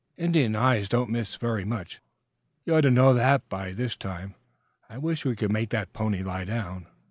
Indian eyes don't miss very much. You ought to know that, by this time. I wish we could make that pony lie down."